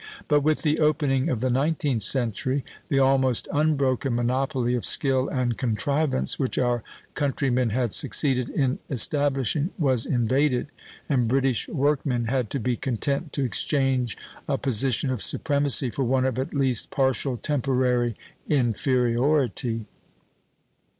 But with the opening of the nineteenth century, the almost unbroken monopoly of skill and contrivance which our countrymen had succeeded in establishing was invaded, and British workmen had to be content to exchange a position of supremacy for one of at least partial temporary inferiority.